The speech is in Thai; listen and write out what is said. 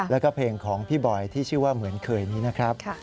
แล้วก็เพลงของพี่บอยที่ชื่อว่าเหมือนเคยนี้นะครับ